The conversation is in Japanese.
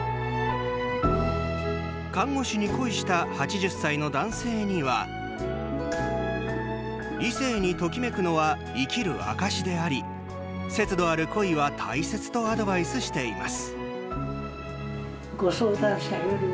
看護師に恋した８０歳の男性には異性にときめくのは「生きる証」であり節度ある恋は大切とアドバイスしています。